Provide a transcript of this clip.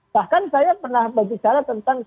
bahkan saya pernah berbicara tentang